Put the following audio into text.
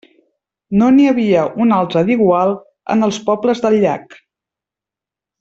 No n'hi havia un altre d'igual en els pobles del llac.